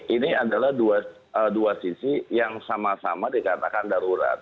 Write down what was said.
ini adalah dua sisi yang sama sama dikatakan darurat